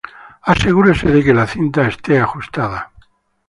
Asegúrese de que la cinta está ajustada